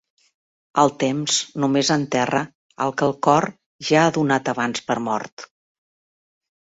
El temps només enterra el que el cor ja ha donat abans per mort.